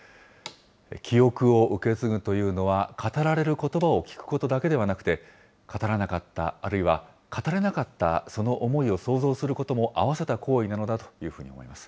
記憶を受け継ぐというのは、語られることばを聞くことだけではなくて、語らなかった、あるいは語れなかったその思いを想像することもあわせた行為なのだというふうに、思います。